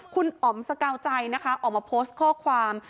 คุณอ๋อมสกาวใจนะคะออกมาโพสต์ข้อความ